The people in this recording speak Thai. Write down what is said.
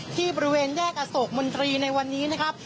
ที่บริเวณแยกอโศกมนตรีในวันนี้นะครับ